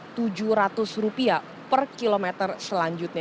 ada penambahan rp tujuh ratus per km selanjutnya